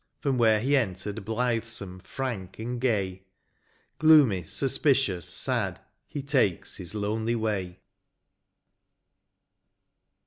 From where he entered blithesome, frank, and gay. Gloomy^ suspicious, sad, he takes his lonely way.